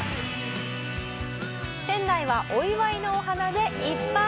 「店内はお祝いのお花でいっぱい！」